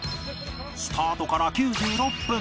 スタートから９６分